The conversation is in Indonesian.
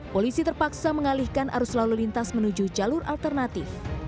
polisi terpaksa mengalihkan arus lalu lintas menuju jalur alternatif